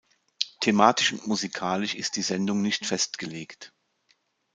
Thematisch und musikalisch ist die Sendung nicht festgelegt.